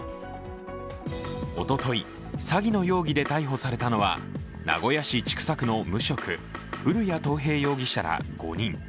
おととい、詐欺の容疑で逮捕されたのは名古屋市千種区の無職古屋十兵容疑者ら５人。